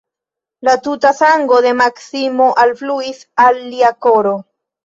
La tuta sango de Maksimo alfluis al lia koro.